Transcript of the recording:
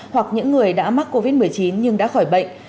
hoặc những người đã mắc covid một mươi chín nhưng đã khỏi bệnh